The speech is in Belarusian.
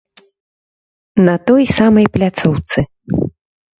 На той самай пляцоўцы.